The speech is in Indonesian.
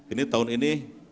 ini tahun ini